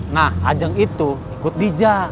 nah ajeng itu ikut diza